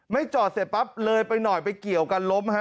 ไม่จอดเห็นปั๊บเลยไปหน่อยไปเกี่ยวกันล้ม